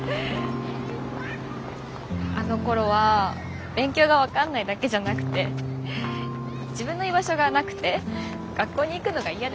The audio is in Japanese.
あのころは勉強が分かんないだけじゃなくて自分の居場所がなくて学校に行くのが嫌でした。